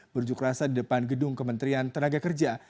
berunjuk rasa di depan gedung kementerian tenaga kerja